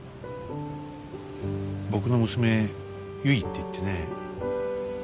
僕の娘ゆいっていってね。